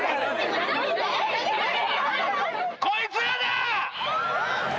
こいつらだ！